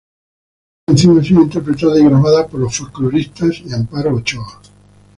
Esta canción ha sido interpretada y grabada por Los Folkloristas y Amparo Ochoa.